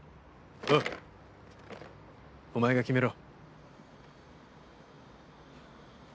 おうお前が決めろ。